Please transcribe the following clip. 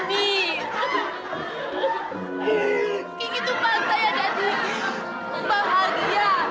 kini tuh pas saya jadi bahagia